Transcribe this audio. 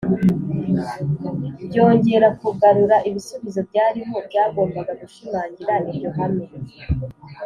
byongera kugarura ibisubizo byariho Byagombaga gushimangira iryo hame